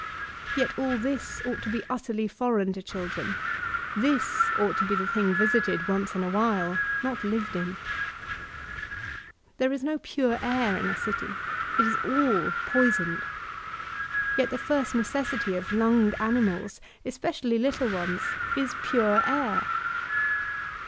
Yet all this ought to be utterly foreign to children* This ought to be the diing visited once in a while, not lived in. There is 00 pure air in a city; it is oA poisoned. Yet 33^ V(K.TAI1IKE DB ClBYBE the first necessity of Itmged animals— especially little ones — is pure air.